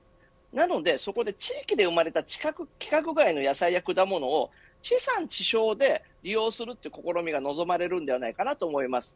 なので、そこで地域で生まれた規格外の野菜や果物を地産地消で利用するという試みが望まれるのではないかと思います。